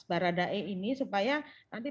baradai ini supaya nanti